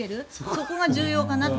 そこが重要かなと。